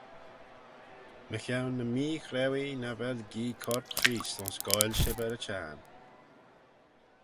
Mychione ny meechrauee nagh vel gee corp Chreest ayns goaill shibbyr y Çhiarn.